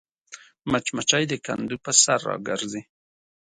مچمچۍ د کندو پر سر راګرځي